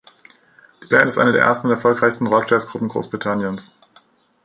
Die Band ist eine der ersten und erfolgreichsten Rockjazz-Gruppen Großbritanniens.